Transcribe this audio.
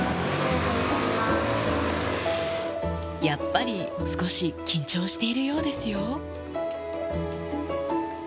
やっぱり少し緊張しているようですよ。